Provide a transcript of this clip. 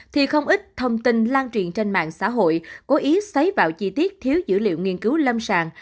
thì không ít thông tin lan truyền trên mạng xã hội cố ý xoáy vào chi tiết thiếu dữ liệu nghiên cứu lâm sàng